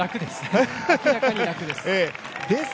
明らかに楽です。